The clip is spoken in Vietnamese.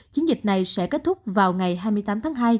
chiến dịch này sẽ kết thúc vào ngày hai mươi tám tháng hai